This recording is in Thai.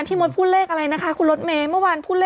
พี่มดพูดเลขอะไรนะคะคุณลดเม้